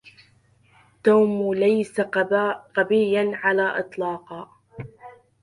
توم ليس غبيا على الاطلاق